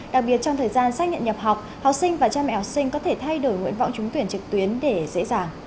đặc biệt trong thời gian xác nhận nhập học học sinh và cha mẹ học sinh có thể thay đổi nguyện vọng trúng tuyển trực tuyến để dễ dàng